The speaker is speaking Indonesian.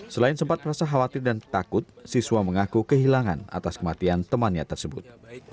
selain sempat merasa khawatir dan takut siswa mengaku kehilangan atas kematian temannya tersebut